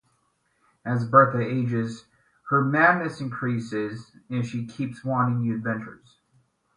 As Bertha ages, her madness increases and she keeps wanting new adventures.